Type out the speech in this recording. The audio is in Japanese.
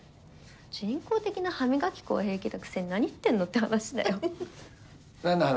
人工的な歯磨き粉は平気なくせに何言ってんのって話だよ。何の話？